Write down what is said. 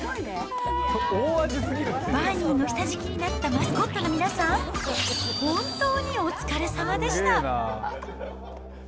バーニーの下敷きになったマスコットの皆さん、本当にお疲れさまでした。